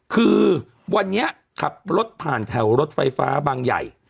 คือวันนี้ขับรถผ่านแถวรถไฟฟ้าบางใหญ่